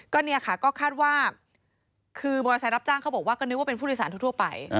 ก็เนี่ยค่ะก็คาดว่าคือมอเตอร์ไซค์รับจ้างเขาบอกว่าก็นึกว่าเป็นผู้โดยสารทั่วไป